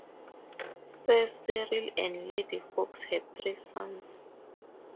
Sir Cyril and Lady Fox had three sons.